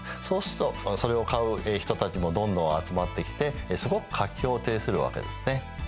そうするとそれを買う人たちもどんどん集まってきてすごく活況を呈するわけですね。